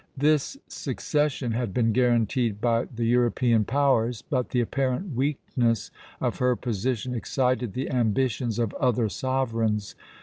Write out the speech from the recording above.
This succession had been guaranteed by the European powers; but the apparent weakness of her position excited the ambitions of other sovereigns.